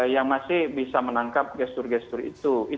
yang masih bisa menangkap gesture gesture itu